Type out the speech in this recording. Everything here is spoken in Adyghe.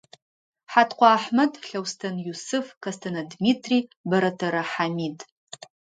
Хьаткъо Ахьмэд, Лъэустэн Юсыф, Кэстэнэ Дмитрий, Бэрэтэрэ Хьамид.